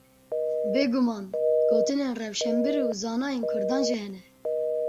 Bêguman gotinên rewşenbîr û zanayÊn kurdan jî hene.